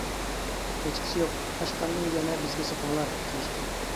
-ھېچقىسى يوق، ئاشقاننى يەنە بىزگە سېتىڭلار، دېيىشتى.